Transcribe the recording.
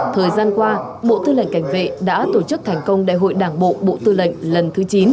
thời gian qua bộ tư lệnh cảnh vệ đã tổ chức thành công đại hội đảng bộ bộ tư lệnh lần thứ chín